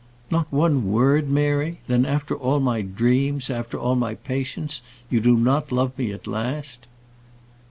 "Not one word, Mary? Then after all my dreams, after all my patience, you do not love me at last?"